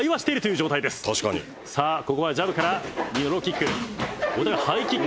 「さあここはジャブからローキック。